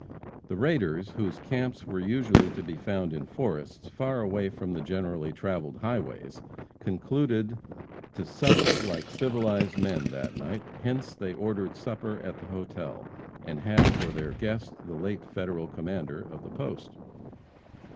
The raiders, whose camps were usually to be found in forests, far away from the generally traveled highways, concluded to sup like civilized men that night, hence they ordered supper at the hotel, and had for their guest the late Federal commander of the post.